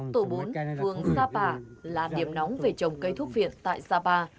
tổ bốn phường sapa là điểm nóng về trồng cây thuốc viện tại sapa